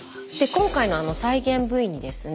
今回の再現Ｖにですね